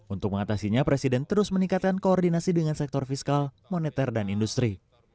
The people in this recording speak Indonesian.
untuk mengatasinya presiden terus meningkatkan koordinasi dengan sektor fiskal moneter dan industri